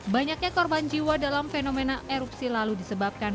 banyaknya korban jiwa dalam fenomena erupsi lalu disebabkan